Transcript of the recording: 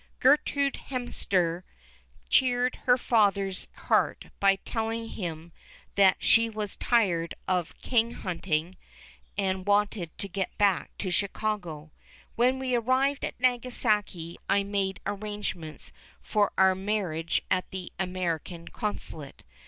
Gertrude Hemster cheered her father's heart by telling him that she was tired of king hunting and wanted to get back to Chicago. When we arrived at Nagasaki I made arrangements for our marriage at the American Consulate.